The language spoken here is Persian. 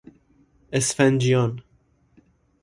اسفنجیان